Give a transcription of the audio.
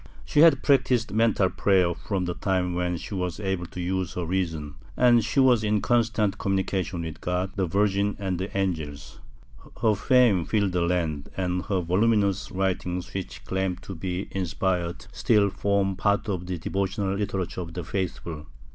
She had practised mental prayer from the time when she was able to use her reason, and she was in constant communication with God, the Virgin and the angels/ Her fame filled the land, and her voluminous writings, which claim to be inspired , still form part of the devotional litera ture of the faithful.